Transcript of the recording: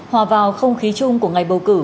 hòa vào không khí chung của ngày bầu cử